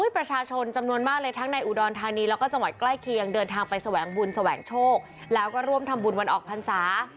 ประชาชนจำนวนมากเลยทั้งในอุดรธานีแล้วก็จังหวัดใกล้เคียงเดินทางไปแสวงบุญแสวงโชคแล้วก็ร่วมทำบุญวันออกพรรษา